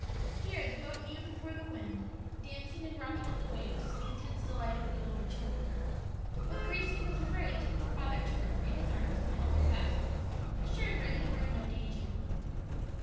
Here the boat new before the wind, dancing and rocking on the waves to the intense delight of the older children; but Gracie was afraid till her father took her in his arms and held her fast, assuring her they were in no danger.